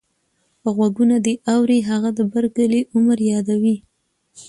غوږونه دې اوري هغه د بر کلي عمر يادوې.